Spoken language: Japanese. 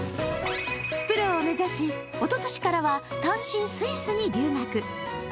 プロを目指し、おととしからは単身スイスに留学。